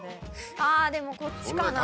あぁでもこっちかな。